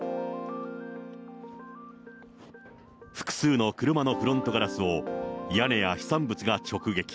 複数の車のフロントガラスを、屋根や飛散物が直撃。